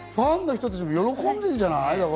ファンの人たちも喜んでるんじゃない？